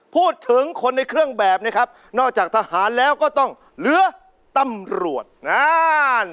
พูดถึงคนในเครื่องแบบนะครับนอกจากทหารแล้วก็ต้องเหลือตำรวจนาน